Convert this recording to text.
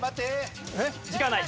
時間ない。